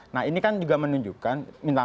nah ini kan juga menunjukkan minta